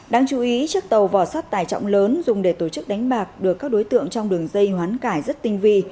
đáng chú ý chiếc tàu vỏ sắt tài trọng lớn dùng để tổ chức đánh bạc được các đối tượng trong đường dây hoán cải rất tinh vi